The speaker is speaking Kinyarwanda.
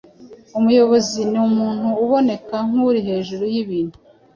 Umuyobozi ni umuntu uboneka nk’uri hejuru y’ibintu,